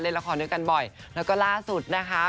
เล่นละครนึกกันบ่อยแล้วก็ล่าสุดนะคะ